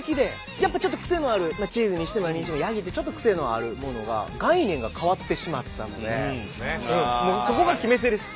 やっぱちょっと癖のあるチーズにしても何にしてもやぎってちょっと癖のあるものが概念が変わってしまったのでそこが決め手です。